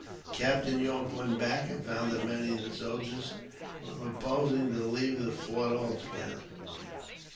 Captain Yorke went back, and found that many of the soldiers were proposing to leave the fort, altogether.